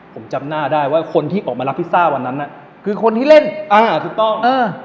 ผมจำหน้าได้ว่าคนที่ออกมารับพิซซ่าวันนั้นน่ะคือคนที่เล่นอ่าถูกต้องอ่า